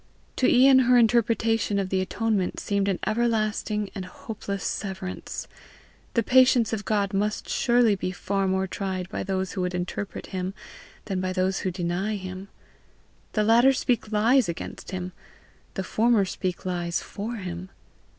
To Ian her interpretation of the atonement seemed an everlasting and hopeless severance. The patience of God must surely be far more tried by those who would interpret him, than by those who deny him: the latter speak lies against him, the former speak lies for him!